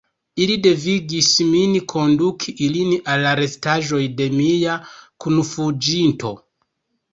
Ili devigis min konduki ilin al la restaĵoj de mia kunfuĝinto.